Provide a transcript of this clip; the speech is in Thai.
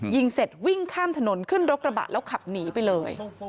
ยิงเสร็จวิ่งข้ามถนนขึ้นรถกระบะแล้วขับหนีไปเลย